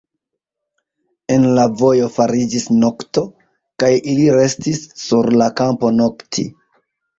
En la vojo fariĝis nokto, kaj ili restis sur la kampo nokti.